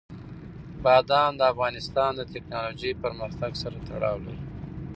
بادام د افغانستان د تکنالوژۍ پرمختګ سره تړاو لري.